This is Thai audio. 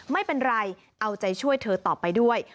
ไม่เป็นไรเอาใจช่วยเธอต่อไปด้วย